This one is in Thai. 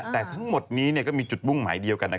แต่ทั้งหมดนี้ก็มีจุดมุ่งหมายเดียวกัน